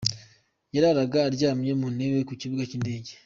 Yararaga aryamye mu ntebe ku kibuga cy'indege.